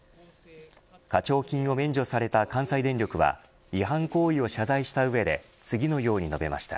課徴金を免除された関西電力は違反行為を謝罪した上で次のように述べました。